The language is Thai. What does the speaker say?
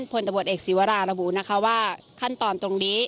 พลตะบวชเอกสิวรารบุค่ะว่าขั้นตอนตรงนี้